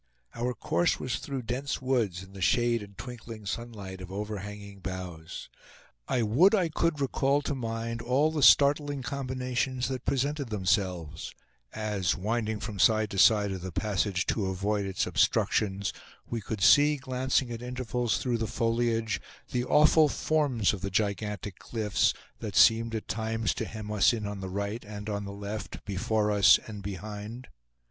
Our course was through dense woods, in the shade and twinkling sunlight of overhanging boughs. I would I could recall to mind all the startling combinations that presented themselves, as winding from side to side of the passage, to avoid its obstructions, we could see, glancing at intervals through the foliage, the awful forms of the gigantic cliffs, that seemed at times to hem us in on the right and on the left, before us and behind!